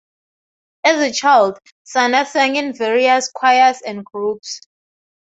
As a child, Sanda sang in various choirs and groups.